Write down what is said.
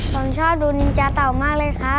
ผมชอบดูนินจาเต่ามาก